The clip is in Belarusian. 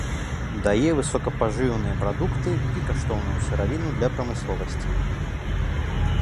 Дае высокапажыўныя прадукты і каштоўную сыравіну для прамысловасці.